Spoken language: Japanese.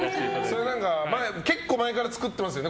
結構前から作ってますよね。